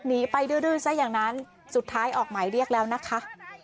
หนีไปดื้อซะอย่างนั้นสุดท้ายออกหมายเรียกแล้วนะคะ